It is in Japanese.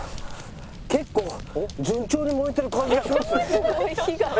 結構順調に燃えてる感じがしますよね。